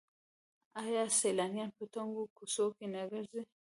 آیا سیلانیان په تنګو کوڅو کې نه ګرځي؟